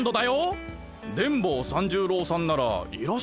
電ボ三十郎さんならいらっしゃいませんが。